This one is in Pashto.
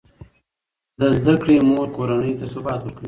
د زده کړې مور کورنۍ ته ثبات ورکوي.